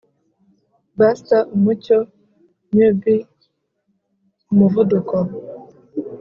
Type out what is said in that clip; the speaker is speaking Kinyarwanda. buster, umucyo, newbie, umuvuduko,